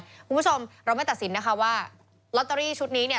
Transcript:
คุณผู้ชมเราไม่ตัดสินนะคะว่าลอตเตอรี่ชุดนี้เนี่ย